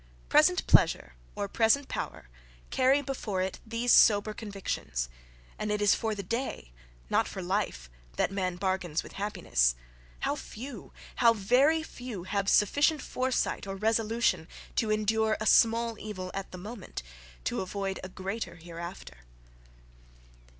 Present pleasure, or present power, carry before it these sober convictions; and it is for the day, not for life, that man bargains with happiness. How few! how very few! have sufficient foresight or resolution, to endure a small evil at the moment, to avoid a greater hereafter.